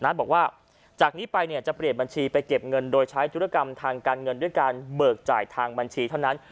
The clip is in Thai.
บอกว่าจากนี้ไปเนี่ยจะเปลี่ยนบัญชีไปเก็บเงินโดยใช้ธุรกรรมทางการเงินด้วยการเบิกจ่ายทางบัญชีเท่านั้น